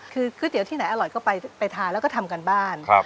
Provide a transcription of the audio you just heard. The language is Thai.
คือก๋วยเตี๋ยวที่ไหนอร่อยก็ไปทานแล้วก็ทำการบ้าน